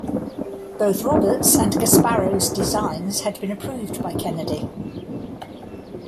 Both Roberts' and Gasparro's designs had been approved by Kennedy.